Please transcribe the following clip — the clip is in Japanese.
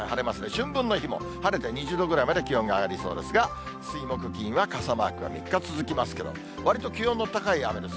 春分の日も晴れて２０度ぐらいまで気温が上がりそうですが、水、木、金は傘マークが３日続きますけど、わりと気温の高い雨です。